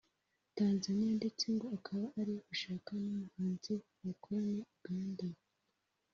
Tanzania ndetse ngo akaba ari gushaka n'umuhanzi bakorana Uganda